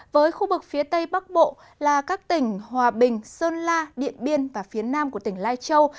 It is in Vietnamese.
với khu vực phía tây bắc bộ là các tỉnh hòa bình sơn la điện biên và phía nam của tỉnh lai châu